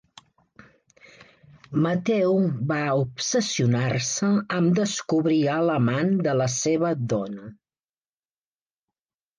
Mateo va obsessionar-se amb descobrir a l'amant de la seva dona.